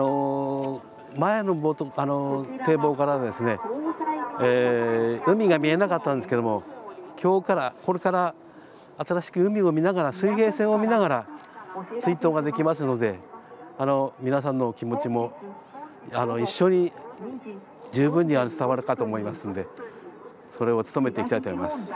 前の堤防からは海が見えなかったんですけれども今日から、これから新しく海を見ながら水平線を見ながら追悼ができますので皆さんのお気持ちも一緒に、十分に伝わるかと思いますのでそれを努めていきたいと思います。